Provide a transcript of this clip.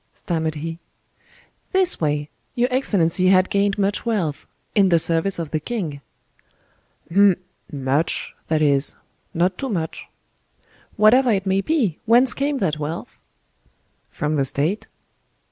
stammered he. "This way. Your excellency had gained much wealth—in the service of the king." "Hum! much—that is, not too much." "Whatever it may be, whence came that wealth?" "From the state."